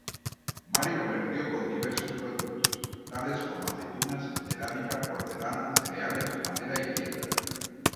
Mari comerció con diversos productos, tales como aceitunas, cerámica, porcelana, cereales, madera y piedra.